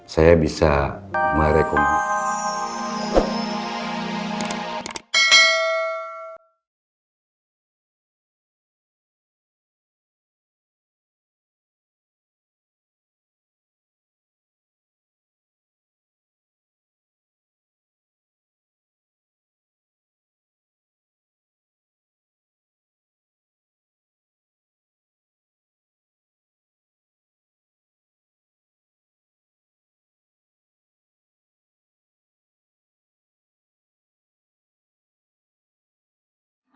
saya bisa merekomendasikan